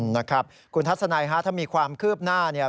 นะครับคุณทัศนัยฮะถ้ามีความคืบหน้าเนี่ย